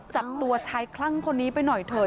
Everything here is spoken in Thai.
จับตัวชายคลั่งคนนี้ไปหน่อยเถอะ